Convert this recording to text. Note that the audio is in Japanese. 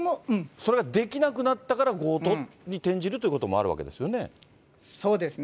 それができなくなったから強盗に転じるということもあるわけそうですね。